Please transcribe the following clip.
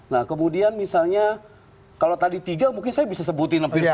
nah kemudian misalnya kalau tadi tiga mungkin saya bisa sebutin lebih sepuluh gitu